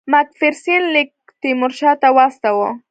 مک فیرسن لیک تیمورشاه ته واستاوه.